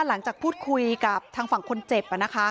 หลังจากพูดคุยกับทางฝั่งคนเจ็บ